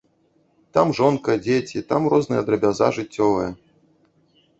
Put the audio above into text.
Там жонка, дзеці, там розная драбяза жыццёвая.